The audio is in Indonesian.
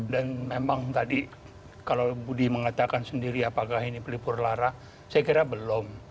dan memang tadi kalau budi mengatakan sendiri apakah ini pelipur lara saya kira belum